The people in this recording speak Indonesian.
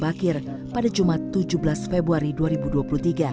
bakar cowok aku belituh